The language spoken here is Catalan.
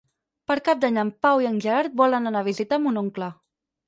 Per Cap d'Any en Pau i en Gerard volen anar a visitar mon oncle.